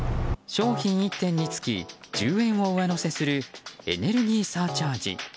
商品１点につき１０円を上乗せするエネルギーサーチャージ。